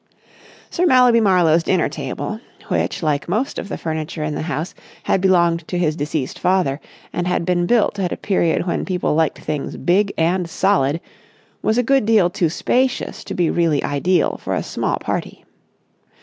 Sir Mallaby Marlowe's dinner table, which, like most of the furniture in the house had belonged to his deceased father and had been built at a period when people liked things big and solid, was a good deal too spacious to be really ideal for a small party.